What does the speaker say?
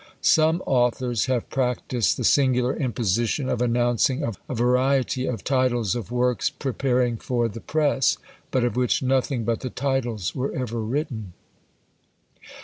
Some authors have practised the singular imposition of announcing a variety of titles of works preparing for the press, but of which nothing but the titles were ever written.